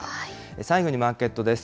最後にマーケットです。